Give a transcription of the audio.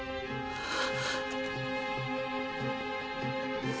ああ。